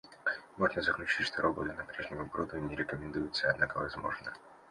Можно заключить что работа на прежнем оборудовании не рекомендуется, однако возможна